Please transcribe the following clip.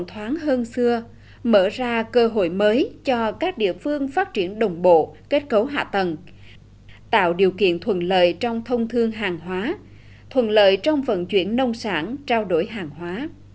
tạo ra cơ hội mới cho các địa phương phát triển đồng bộ kết cấu hạ tầng tạo điều kiện thuần lợi trong thông thương hàng hóa thuần lợi trong vận chuyển nông sản trao đổi hàng hóa